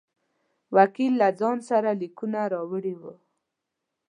وکیل له ځان سره لیکونه راوړي وه.